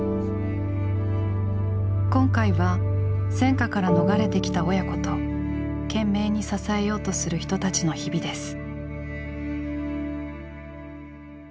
今回は戦禍から逃れてきた親子と懸命に支えようとする人たちの日々です。